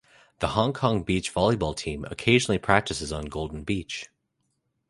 The Hong Kong Beach Volleyball Team occasionally practises on Golden Beach.